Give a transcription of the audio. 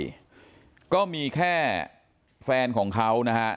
เนี่ยมาพูดกับเพื่อนก็แค่แฟนของเขานะครับ